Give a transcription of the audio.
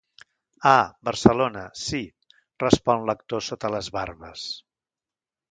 Ah, Barcelona, sí —respon l'actor sota les barbes—.